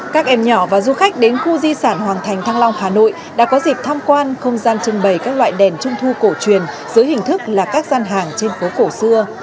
các em nhỏ và du khách đến khu di sản hoàng thành thăng long hà nội đã có dịp tham quan không gian trưng bày các loại đèn trung thu cổ truyền dưới hình thức là các gian hàng trên phố cổ xưa